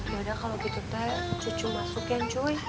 yaudah kalau gitu teh cucu masukin cuy